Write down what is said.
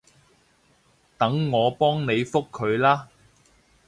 等我幫你覆佢啦